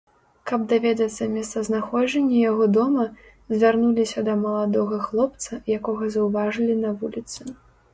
Каб даведацца месцазнаходжанне яго дома, звярнуліся да маладога хлопца, якога заўважылі на вуліцы.